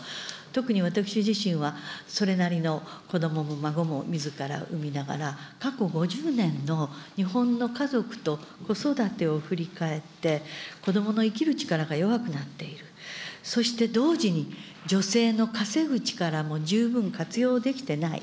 特に私自身は、それなりの子どもも孫も、みずから産みながら、過去５０年の日本の家族と子育てを振り返って、子どもの生きる力が弱くなっている、そして同時に、女性の稼ぐ力も十分活用できてない。